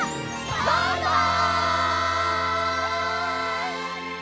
バイバイ！